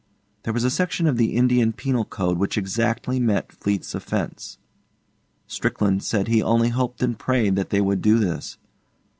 There was a section of the Indian Penal Code which exactly met Fleete's offence. Strickland said he only hoped and prayed that they would do this.